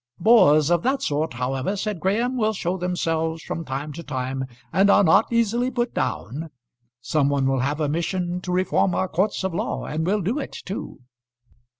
"Bores of that sort, however," said Graham, "will show themselves from time to time and are not easily put down. Some one will have a mission to reform our courts of law, and will do it too."